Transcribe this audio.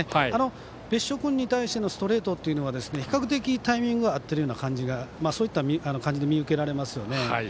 別所君に対してのストレートというのは比較的タイミング合ってるような感じに見受けられますよね。